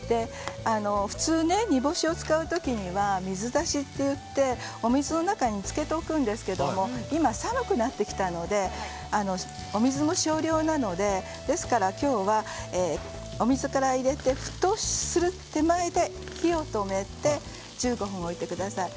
普通、煮干しを使う時には水だしといって水の中につけておくんですけれど今、寒くなってきたのでお水の少量なので今日は水から入れて沸騰する手前で火を止めて、１５分置いてください。